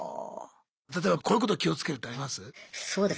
例えばこういうこと気をつけるってあります？